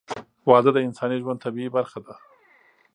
• واده د انساني ژوند طبیعي برخه ده.